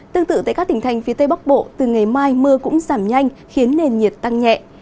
tương tự tại các tỉnh thành phía tây bắc bộ từ ngày mai mưa cũng giảm nhanh khiến nền nhiệt tăng nhẹ